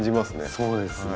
そうですね。